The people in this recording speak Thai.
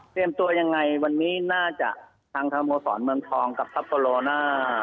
ตัวยังไงวันนี้น่าจะทางสโมสรเมืองทองกับทัพโปโลน่า